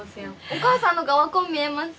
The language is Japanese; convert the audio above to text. お母さんの方が若う見えます。